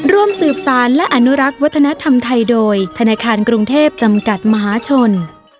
ร่วมสืบสารและอนุรักษ์วัฒนธรรมไทยโดยธนาคารกรุงเทพจำกัดมหาชน